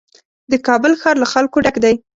د کابل ښار له خلکو ډک دی.